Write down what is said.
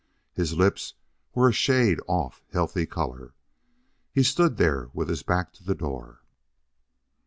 His lips were a shade off healthy color. He stood there with his back to the door.